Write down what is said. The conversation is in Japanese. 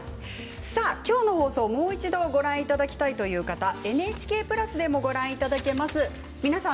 今日の放送をもう一度ご覧いただきたい方はＮＨＫプラスでもご覧いただけます。